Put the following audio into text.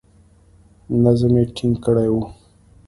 نظم یې ټینګ کړی وو.